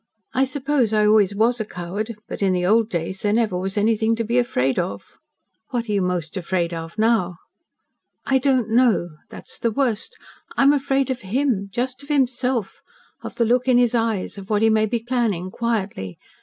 I suppose I always was a coward, but in the old days there never was anything to be afraid of." "What are you most afraid of now?" "I don't know. That is the worst. I am afraid of HIM just of himself of the look in his eyes of what he may be planning quietly.